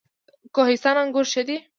کوهستان انګور ښه دي؟